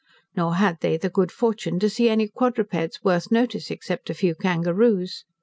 Nor had they the good fortune to see any quadrupeds worth notice, except a few kangaroos.